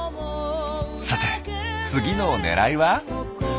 さて次のねらいは？